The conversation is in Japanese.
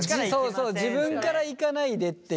そうそう自分からいかないでっていう。